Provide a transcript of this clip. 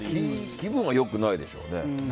気分は良くないでしょうね。